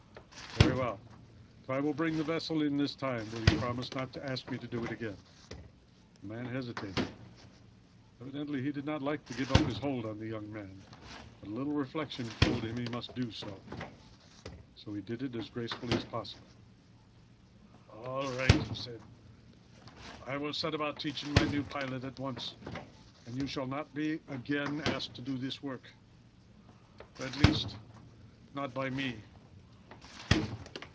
"Very well. If I will bring the vessel in this time, will you promise not to ask me to do it again?" The man hesitated. Evidently he did not like to give up his hold on the young man; but a little reflection told him he must do so; so he did it as gracefully as possible. "All right," he said. "I will set about teaching my new pilot at once; and you shall not be again asked to do this work, at least, not by me."